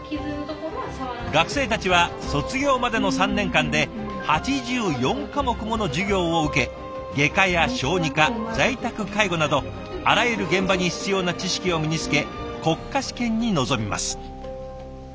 学生たちは卒業までの３年間で８４科目もの授業を受け外科や小児科在宅介護などあらゆる現場に必要な知識を身につけ国家試験に臨みます。